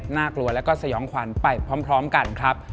น่ากลัวแล้วก็สยองขวัญไปพร้อมกันครับ